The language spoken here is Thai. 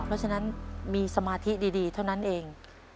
เพราะฉะนั้นมีสมาธิดีเท่านั้นเอง